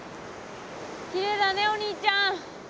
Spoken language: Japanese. きれいだねお兄ちゃん。